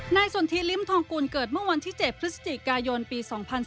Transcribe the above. สนทิลิ้มทองกุลเกิดเมื่อวันที่๗พฤศจิกายนปี๒๔